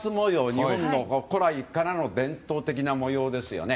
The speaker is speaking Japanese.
日本の古来からの伝統的な模様ですよね。